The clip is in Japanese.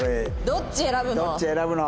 どっち選ぶの？